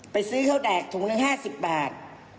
ไปซื้อเข้าแดกถุงนั้น๕๐บาท